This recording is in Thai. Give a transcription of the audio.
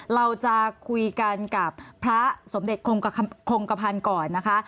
เราจะคุยกันกับพระสมเด็จคงกระพันธ์ก่อนนะคะ